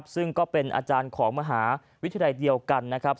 ซึ่งก็เป็นอาจารย์ของมหาวิทยาลัยเดียวกันนะครับ